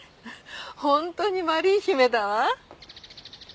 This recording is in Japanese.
本当にマリー姫だわ。